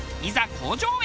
工場へ。